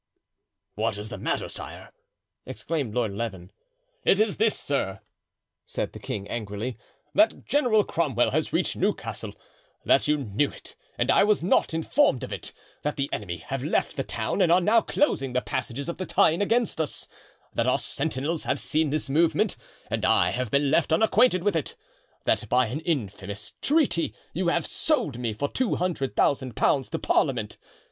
"What is the matter, sire?" exclaimed Lord Leven. "It is this, sir," said the king, angrily, "that General Cromwell has reached Newcastle; that you knew it and I was not informed of it; that the enemy have left the town and are now closing the passages of the Tyne against us; that our sentinels have seen this movement and I have been left unacquainted with it; that, by an infamous treaty you have sold me for two hundred thousand pounds to Parliament.